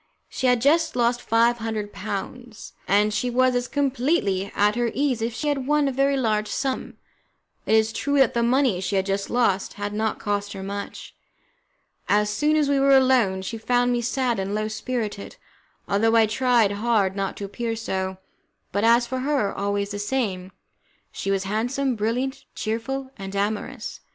She had just lost five hundred pounds, and she was as completely at her ease as if she had won a very large sum. It is true that the money she had just lost had not cost her much. As soon as we were alone, she found me sad and low spirited, although I tried hard not to appear so, but, as for her, always the same, she was handsome, brilliant, cheerful, and amorous.